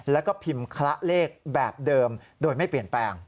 แล้วก็พิมพ์คละเลขแบบเดิมโดยไม่เปลี่ยนแปลง